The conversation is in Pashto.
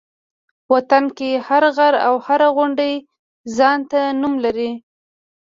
وطن کې هر غر او هره غونډۍ ځان ته نوم لري.